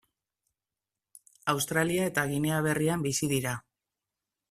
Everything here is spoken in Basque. Australia eta Ginea Berrian bizi dira.